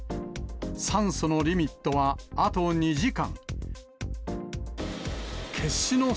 酸素のリミットはあと２時間。